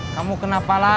langsung nih jalan